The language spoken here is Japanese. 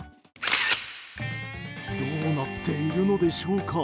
どうなっているのでしょうか。